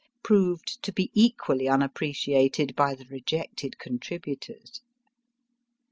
proved to be equally unappreciated by the rejected contributors.